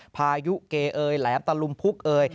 พายุเกเอยแหลมตะลุมพุกเอย